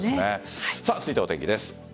続いてはお天気です。